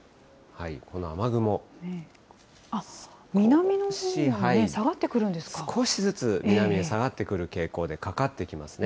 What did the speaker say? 南のほうに下がってくるんで少しずつ南へ下がってくる傾向で、かかってきますね。